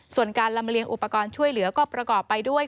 ส่วนการลำเลียงอุปกรณ์ช่วยเหลือก็ประกอบไปด้วย